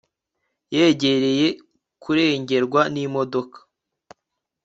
yegereye kurengerwa n'imodoka